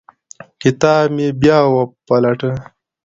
کتاب مې بیا وپلټه.